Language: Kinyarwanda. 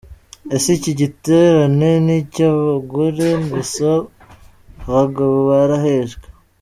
Ese iki giterane ni icy’abagore gusa, abagabo barahejwe?.